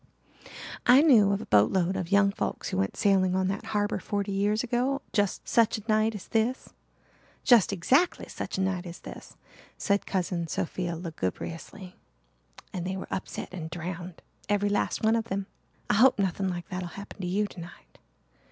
"I knew of a boat load of young folks who went sailing on that harbour forty years ago just such a night as this just exactly such a night as this," said Cousin Sophia lugubriously, "and they were upset and drowned every last one of them. I hope nothing like that'll happen to you tonight.